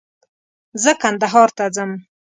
زه کندهار ته ځم